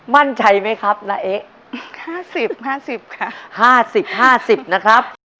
มั่นใจไหมครับน่ะเอ๊ะห้าสิบห้าสิบค่ะห้าสิบห้าสิบนะครับ